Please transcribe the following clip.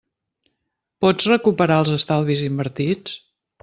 Pots recuperar els estalvis invertits?